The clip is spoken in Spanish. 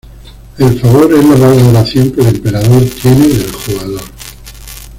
El favor es la valoración que el Emperador tiene del jugador.